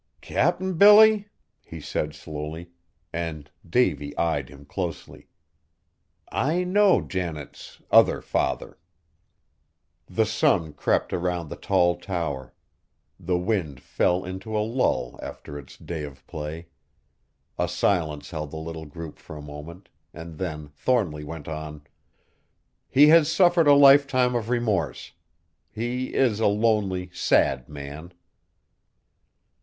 "Cap'n Billy," he said slowly, and Davy eyed him closely, "I know Janet's other father!" The sun crept around the tall tower. The wind fell into a lull after its day of play. A silence held the little group for a moment, and then Thornly went on: "He has suffered a lifetime of remorse. He is a lonely, sad man."